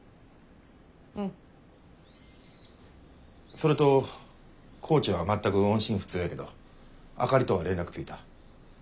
それと高知は全く音信不通やけどあかりとは連絡ついた。